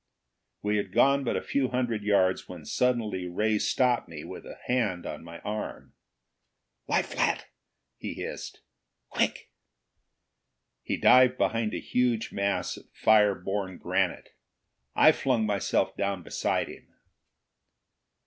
We had gone but a few hundred yards when suddenly Ray stopped me with a hand on my arm. "Lie flat!" he hissed. "Quick!" He dived behind a huge mass of fire born granite. I flung myself down beside him.